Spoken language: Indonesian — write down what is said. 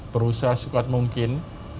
berusaha sifat mungkin